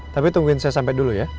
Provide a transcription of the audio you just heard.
tapi tungguin saya sampai dulu ya